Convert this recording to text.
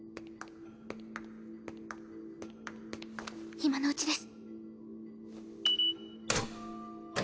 今のうちです。